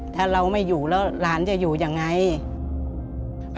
ถ้าเราไม่อยู่แล้วหลานจะอยู่ยังไง